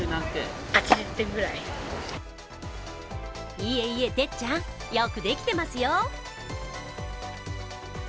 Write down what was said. いえいえ、てっちゃん、よくできてますよ。